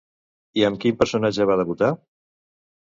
I amb quin personatge va debutar?